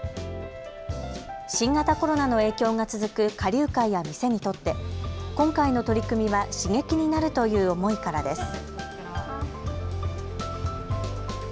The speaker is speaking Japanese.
新型コロナの影響が続く花柳界や店にとって今回の取り組みは刺激になるという思いからです。